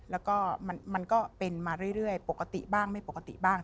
แล้วก็มันก็เป็นมาเรื่อยปกติบ้างไม่ปกติบ้าง